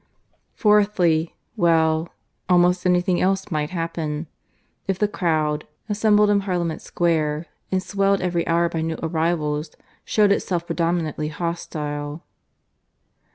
Fourthly well, almost anything else might happen, if the crowd, assembled in Parliament Square, and swelled every hour by new arrivals, showed itself predominantly hostile.